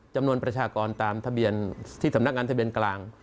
จำนวนประชากรตามทะเบียนที่สำนักงานทะเบียนกลาง